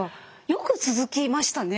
よく続きましたね。